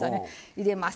入れます。